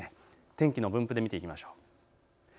天気の分布で見ていきましょう。